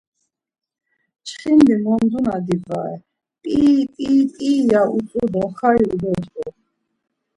Çxindi monduna divare, p̌iii p̌iii p̌iii ya utzu do xai ubecğu.